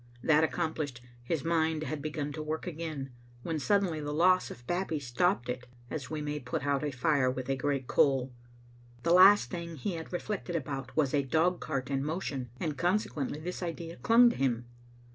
That accomplished, his mind had begun to work again, when suddenly the loss of Babbie stopped it, as we may put out a fire with a great coal. The last thing he had reflected about was a dog cart in motion, and, consequently, this idea clung to him.